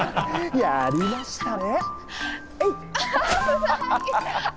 やりましたね！